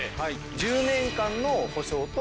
１０年間の保証と。